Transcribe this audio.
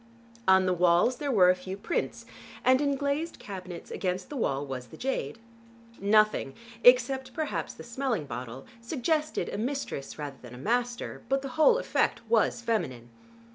On the walls there were a few prints, and in glazed cabinets against the wall was the jade. Nothing, except perhaps the smelling bottle, suggested a mistress rather than a master, but the whole effect was feminine.